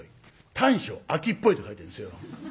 短所飽きっぽい」って書いてるんですよ。